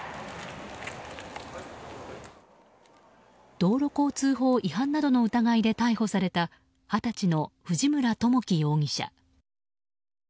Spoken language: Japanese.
道路交通法違反などの疑いで逮捕された二十歳の藤村知樹容疑者。